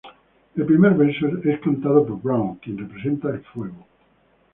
El primer verso es cantado por Brown, quien representa el fuego.